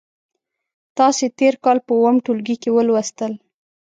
تاسې تېر کال په اووم ټولګي کې ولوستل.